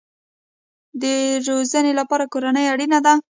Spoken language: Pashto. د روزنې لپاره کورنۍ اړین ده